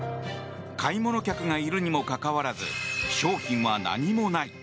買い物客がいるにもかかわらず商品は何もない。